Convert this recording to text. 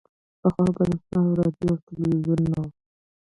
پخوا برېښنا او راډیو او ټلویزیون نه وو